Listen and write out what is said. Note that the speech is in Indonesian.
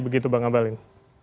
begitu bang abalin